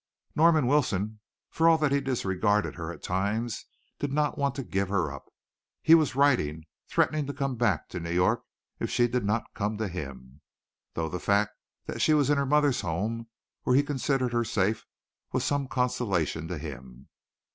Norman Wilson, for all that he disregarded her at times, did not want to give her up. He was writing, threatening to come back to New York if she did not come to him, though the fact that she was in her mother's home, where he considered her safe, was some consolation to him.